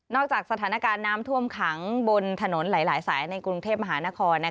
จากสถานการณ์น้ำท่วมขังบนถนนหลายสายในกรุงเทพมหานคร